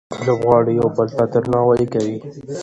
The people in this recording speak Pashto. لوبغاړي یو بل ته درناوی کوي.